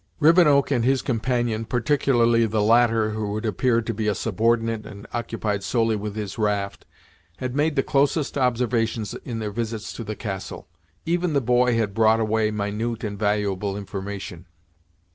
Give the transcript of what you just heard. Rivenoak and his companion, particularly the latter who had appeared to be a subordinate and occupied solely with his raft, had made the closest observations in their visits to the castle. Even the boy had brought away minute and valuable information.